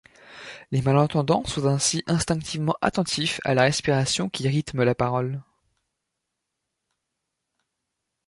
Les malentendants sont ainsi instinctivement attentifs à la respiration qui rythme la parole.